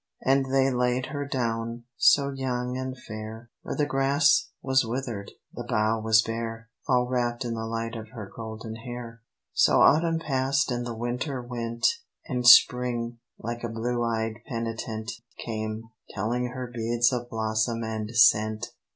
And they laid her down, so young and fair, Where the grass was withered, the bough was bare, All wrapped in the light of her golden hair.... So autumn passed and the winter went; And spring, like a blue eyed penitent, Came, telling her beads of blossom and scent.